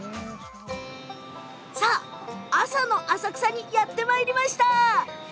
さあ、朝の浅草にやってまいりました。